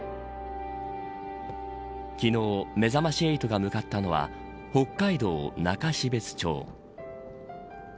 昨日、めざまし８が向かったのは北海道、中標津町。